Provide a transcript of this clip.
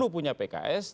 lima puluh punya pks